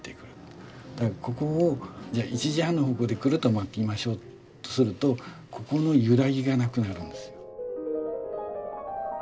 ここをじゃ１時半の方向でクルッと巻きましょうっとするとここの揺らぎが無くなるんですよ。